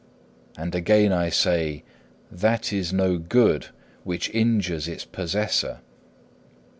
And again I say, That is no good, which injures its possessor.